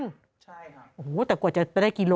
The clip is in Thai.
ใช่ครับโอ้โหแต่กว่าจะได้กิโล